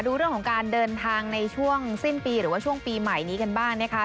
ดูเรื่องของการเดินทางในช่วงสิ้นปีหรือว่าช่วงปีใหม่นี้กันบ้างนะคะ